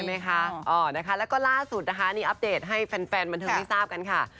นะคะแล้วก็ล่าสุดนะคะนี่อัปเดตให้แฟนบันเทิงได้ทราบกันค่ะ